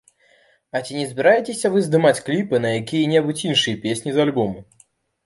А ці не збіраецеся вы здымаць кліпы на якія-небудзь іншыя песні з альбому?